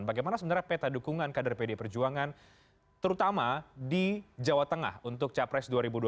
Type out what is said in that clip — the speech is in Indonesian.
bagaimana sebenarnya peta dukungan kader pdi perjuangan terutama di jawa tengah untuk capres dua ribu dua puluh